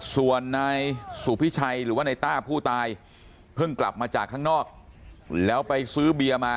ส่วนนายสุพิชัยหรือว่าในต้าผู้ตายเพิ่งกลับมาจากข้างนอกแล้วไปซื้อเบียร์มา